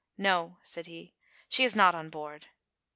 "No," said he, "she is not on board."